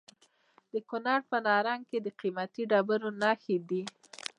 د کونړ په نرنګ کې د قیمتي ډبرو نښې دي.